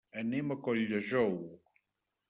Anem a Colldejou.